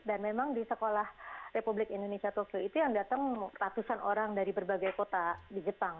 dan memang di sekolah republik indonesia tokyo itu yang datang ratusan orang dari berbagai kota di jepang